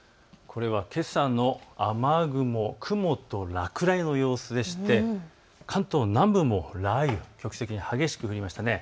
これはけさの雨雲、雲と落雷の様子でして関東南部も雷雨、局地的に激しく降りました。